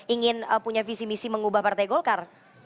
ingin punya visi misi mengubah partai golkar